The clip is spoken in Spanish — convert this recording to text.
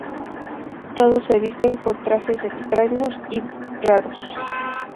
Todos se visten con trajes extraños y raros.